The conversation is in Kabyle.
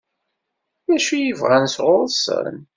D acu i bɣan sɣur-sen?